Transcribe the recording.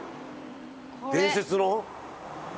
伝説の。